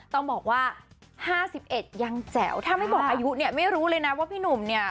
ต้องบอกว่า๕๑ยังแจ๋วถ้าไม่บอกอายุเนี่ยไม่รู้เลยนะว่าพี่หนุ่มเนี่ย